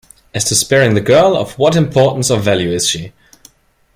As to sparing the girl, of what importance or value is she?